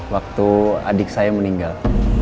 waktu adik saya meninggal